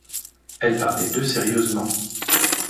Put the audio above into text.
Elle parlait d’eux sérieusement.